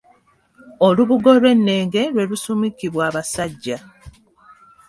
Olubugo olw'ennenge lwe lusumikibwa abasajja